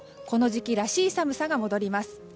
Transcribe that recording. この時期らしい寒さが戻ります。